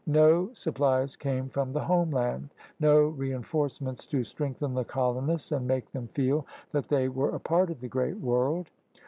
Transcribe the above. No supplies came from the home land, no reenforcements to strengthen the colonists and make them feel that they were a part of the great world.